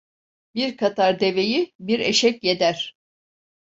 Bir katar deveyi bir eşek yeder.